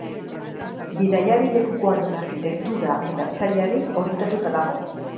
Bidaiari-lekuaren arkitektura gidatzaileari orientatuta dago.